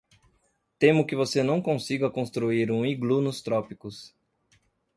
Temo que você não consiga construir um iglu nos trópicos.